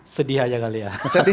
sedih aja kali ya